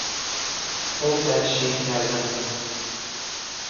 آب در شیر کردن